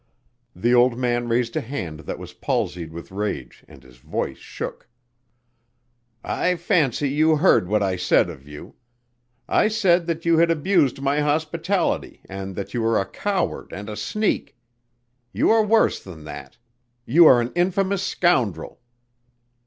The old man raised a hand that was palsied with rage and his voice shook. "I fancy you heard what I said of you. I said that you had abused my hospitality and that you are a coward and a sneak. You are worse than that; you are an infamous scoundrel."